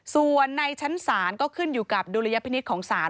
ส่วนในชั้นศาลก็ขึ้นอยู่กับดุลยพินิษฐ์ของศาล